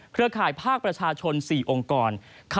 ข่ายภาคประชาชน๔องค์กร